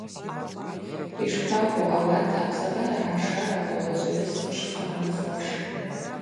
Йшпакӏву ауат апсабара гӏаншараква гӏвычӏвгӏвыс дшхъырымхуаш.